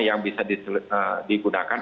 yang bisa digunakan